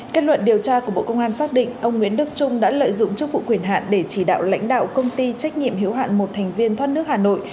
kết luận điều tra của bộ công an xác định ông nguyễn đức trung đã lợi dụng chức vụ quyền hạn để chỉ đạo lãnh đạo công ty trách nhiệm hiếu hạn một thành viên thoát nước hà nội